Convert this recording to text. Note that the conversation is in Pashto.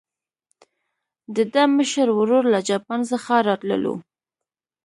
د ده مشر ورور له جاپان څخه راتللو.